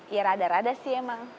ya rada rada sih emang